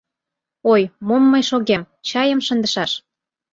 Ой, мом мый шогем, чайым шындышаш!